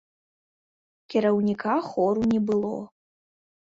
Кіраўніка хору не было.